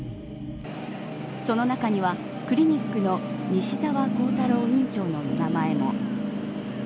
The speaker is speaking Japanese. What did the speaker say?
その中には、クリニックの西澤弘太郎院長の名前も。